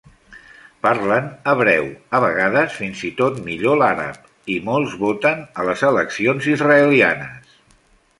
Parlen hebreu, a vegades fins i tot millor l'àrab, i molts voten a les eleccions israelianes.